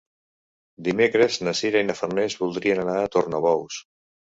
Dimecres na Sira i na Farners voldrien anar a Tornabous.